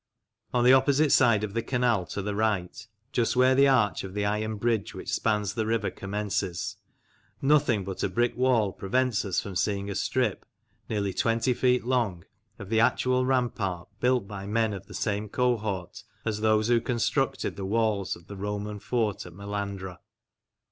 On the opposite side of the canal to the right, just where the arch of the iron bridge which spans the river commences, nothing but a brick wall prevents us from seeing a strip, nearly twenty feet long, of the actual rampart, built by men of the same cohort as those who constructed the walls of the Roman fort at Melandra.